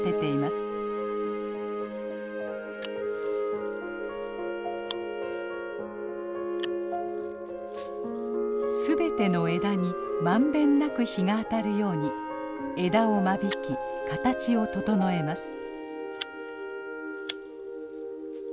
すべての枝にまんべんなく日が当たるように枝を間引き形を整えます。